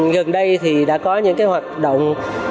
gần đây thì đã có những hoạt động